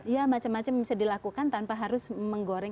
ya macam macam bisa dilakukan tanpa harus menggoreng